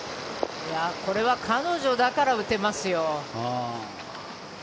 これは彼女だから打てますよ。